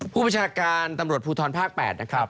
ประชาการตำรวจภูทรภาค๘นะครับ